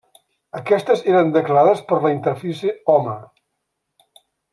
Aquestes eren declarades per la interfície Home.